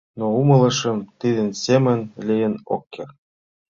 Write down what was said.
Но умылышым: тидын семын лийын ок керт.